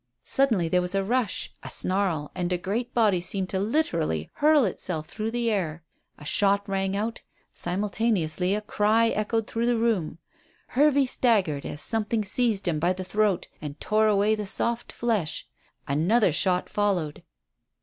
Suddenly there was a rush, a snarl; and a great body seemed to literally hurl itself through the air. A shot rang out; simultaneously a cry echoed through the room; Hervey staggered as something seized him by the throat and tore away the soft flesh; another shot followed.